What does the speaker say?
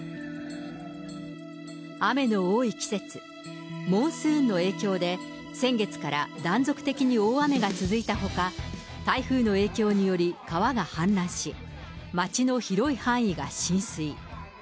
雨の多い季節、モンスーンの影響で、先月から断続的に大雨が続いたほか、台風の影響により川が氾濫し、町の広い範囲が浸水。